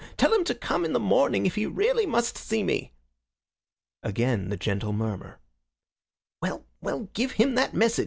Tell him to come in the morning if he really must see me." Again the gentle murmur. "Well, well, give him that message.